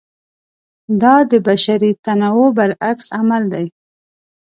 دا د بشري تنوع برعکس عمل دی.